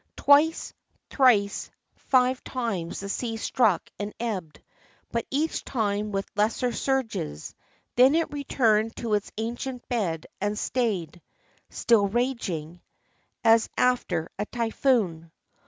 Twice, thrice, five times the sea struck and ebbed, but each time with lesser surges : then it returned to its ancient bed and stayed, — still raging, as after a typhoon.